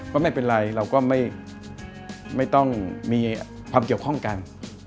ก็ไม่เป็นไรเราก็ไม่ต้องมีความเกี่ยวข้องกัน